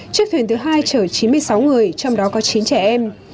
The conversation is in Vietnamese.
chiếc thuyền thứ hai chở chín mươi sáu người trong đó có chín trẻ em